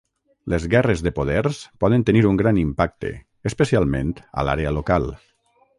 Les guerres de poders poden tenir un gran impacte, especialment a l'àrea local.